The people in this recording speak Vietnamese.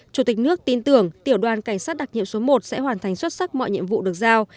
chủ tịch nước tin tưởng tiểu đoàn cảnh sát đặc nhiệm số một sẽ hoàn thành xuất sắc mọi nhiệm vụ được giao